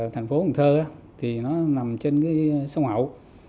thành phố cần thơ nằm trên sông hậu